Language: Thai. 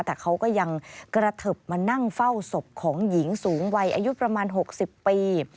แต่เขาก็ยังกระเทิบมานั่งเฝ้าศพของหญิงสูงวัยอายุประมาณ๖๐ปี